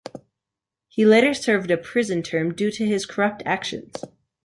He later served a prison term due to his corrupt actions.